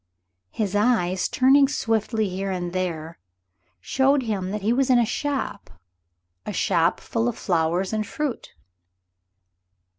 His eyes, turning swiftly here and there, showed him that he was in a shop a shop full of flowers and fruit.